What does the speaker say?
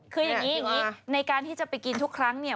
คืออย่างนี้ในการที่จะไปกินทุกครั้งเนี่ย